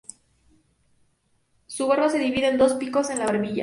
Su barba se divide en dos picos en la barbilla.